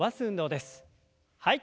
はい。